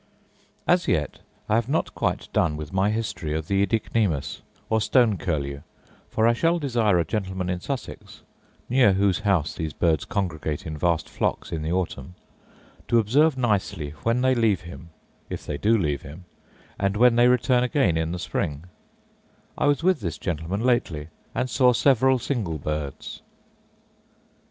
As yet I have not quite done with my history of the oedicnemus, or stone curlew; for I shall desire a gentleman in Sussex (near whose house these birds congregate in vast flocks in the autumn) to observe nicely when they leave him (if they do leave him), and when they return again in the spring; I was with this gentleman lately, and saw several single birds.